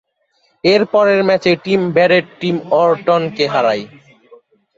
এর পরের ম্যাচে টিম ব্যারেট টিম অরটন কে হারায়।